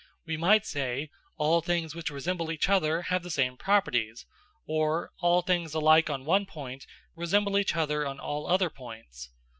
We might say "all things which resemble each other have the same properties," or "all things alike on one point resemble each other on all other points."